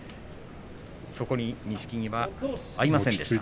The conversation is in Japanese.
そこに錦木は合いませんでした。